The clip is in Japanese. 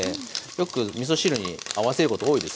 よくみそ汁に合わせること多いですね。